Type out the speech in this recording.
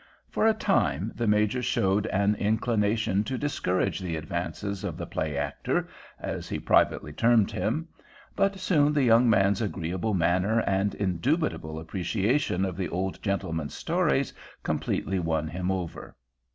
For a time the Major showed an inclination to discourage the advances of the "play actor," as he privately termed him; but soon the young man's agreeable manner and indubitable appreciation of the old gentleman's stories completely won him over.